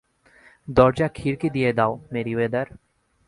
দরজা খিড়কি দিয়ে দাও, মেরিওয়েদার।